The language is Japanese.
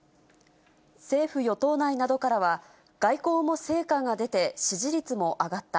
政府・与党内などからは、外交も成果が出て支持率も上がった。